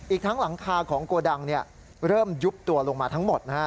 อีกทั้งหลังคาของโกดังเริ่มยุบตัวลงมาทั้งหมดนะฮะ